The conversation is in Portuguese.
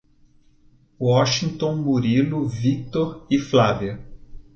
Washington, Murilo, Víctor e Flávia